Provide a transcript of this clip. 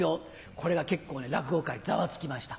これが結構落語界ざわつきました。